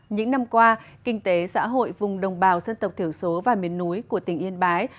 những năm qua kinh tế xã hội vùng đồng bào dân tộc thiểu số và miền núi của tỉnh yên bái